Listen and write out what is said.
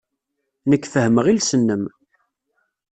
Nekk fehhmeɣ iles-nnem.